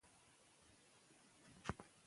والدین به هم نظر ورکوي.